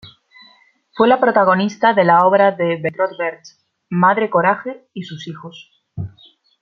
Fue la protagonista de la obra de Bertolt Brecht, "Madre Coraje y sus hijos".